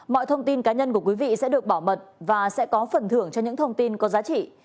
mọi thông tin cá nhân của quý vị sẽ được bảo mật và sẽ có phần thưởng cho những thông tin có giá trị